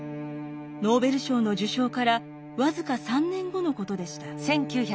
ノーベル賞の受賞から僅か３年後のことでした。